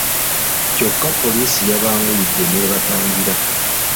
Kyokka poliisi yabanguyidde n'ebatangira.